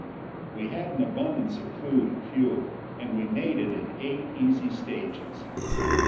We had an abundance of food and fuel, and we made it in eight easy stages.